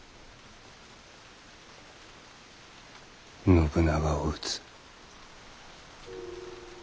信長を討つ。